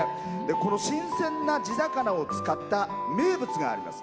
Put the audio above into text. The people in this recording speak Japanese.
この新鮮な地魚を使った名物があります。